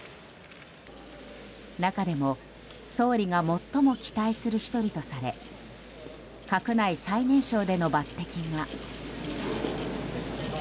中でも総理が最も期待する１人とされ閣内最年少での抜擢が。